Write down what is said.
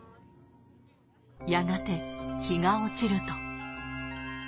やがて日が落ちると。